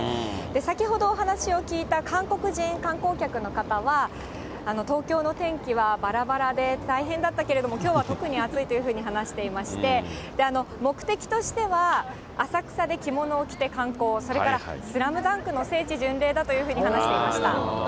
先ほどお話を聞いた韓国人観光客の方は、東京の天気はばらばらで大変だったけれども、きょうは特に暑いというふうに話していまして、目的としては、浅草で着物を着て観光、それからスラムダンクの聖地巡礼だというふうに話していました。